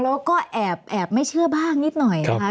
แล้วก็แอบไม่เชื่อบ้างนิดหน่อยนะคะ